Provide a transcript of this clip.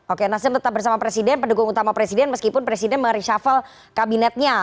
oke nasdem tetap bersama presiden pendukung utama presiden meskipun presiden mereshuffle kabinetnya